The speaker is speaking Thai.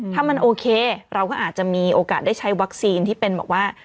ถ้ามันโอเคเราก็อาจจะมีโอกาสได้ใช้วัคซีนที่เป็นแบบว่า